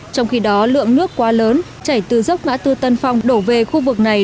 trong khi đó lượng nước quá lớn chảy từ dốc ngã tư tân phong đổ về khu vực này